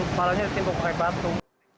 kepalanya ditimbuk pakai batu